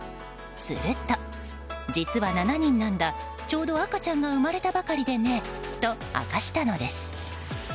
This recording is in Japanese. すると、実は７人なんだちょうど赤ちゃんが生まれたばかりでねと明かしたのです。